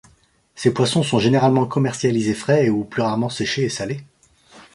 Ces poissons sont généralement commercialisés frais ou plus rarement séchés et salés.